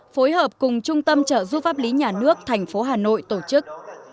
phối hợp cùng trung tâm trợ giúp pháp lý nhà nước thành phố hà nội tổ chức